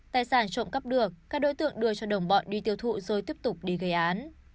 tài sản trộm cắp được các đối tượng đưa cho đồng bọn đi tiêu thụ rồi tiếp tục đi gây án